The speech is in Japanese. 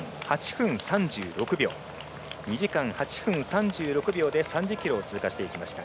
２時間８分３６秒で３０ｋｍを通過していきました。